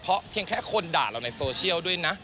เพราะเพียงแค่คนด่าเราในโซเชียลด้วยนะ